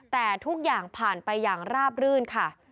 แต่ทุกอย่างผ่านไปอย่างราบรื่นค่ะ